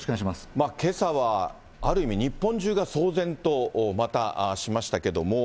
けさはある意味、日本中が騒然とまたしましたけども。